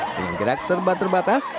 dengan gerak serba terbatas